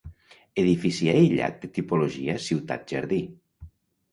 Edifici aïllat de tipologia ciutat-jardí.